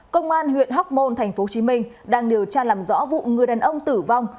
công an huyện hóc môn tp hcm đang điều tra làm rõ vụ người đàn ông tử vong